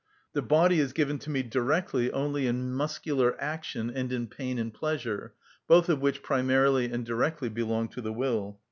The body is given to me directly only in muscular action and in pain and pleasure, both of which primarily and directly belong to the will.